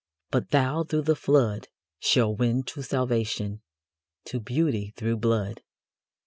But thou through the flood Shall win to salvation, To Beauty through blood.